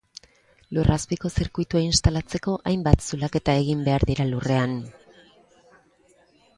Lurrazpiko zirkuitua instalatzeko hainbat zulaketa egin behar dira lurrean.